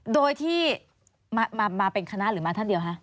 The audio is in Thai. โดยที่มาเป็นคณะหรือมาท่านเดียวคะ